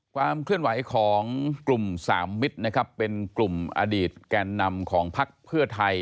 ความเคลื่อนไหวของกลุ่มสามมิตรนะครับเป็นกลุ่มอดีตแก่นำของพักเพื่อไทย